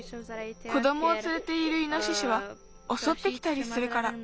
子どもをつれているイノシシはおそってきたりするから。